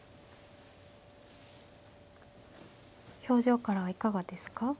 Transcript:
表情からはいかがですか。